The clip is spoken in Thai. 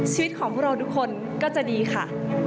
ชีวิตของพวกเราทุกคนก็จะดีค่ะ